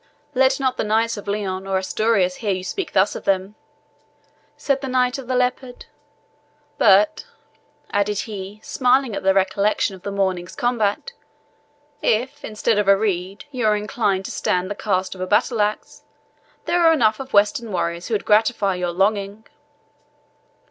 "Let not the knights of Leon or Asturias hear you speak thus of them," said the Knight of the Leopard. "But," added he, smiling at the recollection of the morning's combat, "if, instead of a reed, you were inclined to stand the cast of a battle axe, there are enough of Western warriors who would gratify your longing."